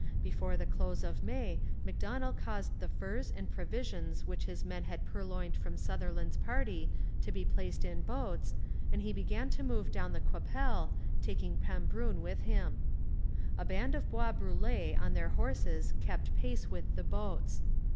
Before the close of May Macdonell caused the furs and provisions which his men had purloined from Sutherland's party to be placed in boats, and he began to move down the Qu'Appelle, taking Pambrun with him. A band of Bois Brûlés on their horses kept pace with the boats.